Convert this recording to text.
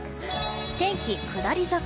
天気下り坂。